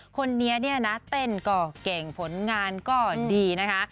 คนนี้เนี่ยนะเต้นก็เก่งผลงานก็ดีนะคะ